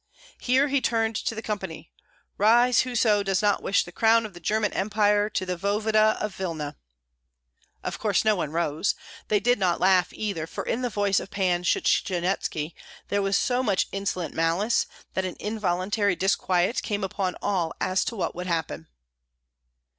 Here he turned to the company: "Rise, whoso does not wish the crown of the German Empire to the voevoda of Vilna!" Of course no one rose. They did not laugh either, for in the voice of Pan Shchanyetski there was so much insolent malice that an involuntary disquiet came upon all as to what would happen.